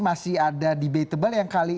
masih ada di betebal